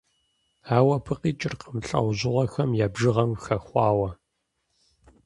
Ауэ абы къикӀыркъым лӀэужьыгъуэхэм я бжыгъэм хэхъуауэ.